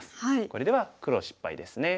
これでは黒失敗ですね。